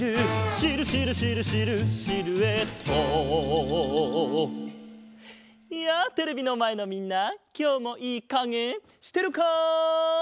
「シルシルシルシルシルエット」やあテレビのまえのみんなきょうもいいかげしてるか？